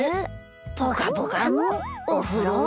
ポカポカのおふろ。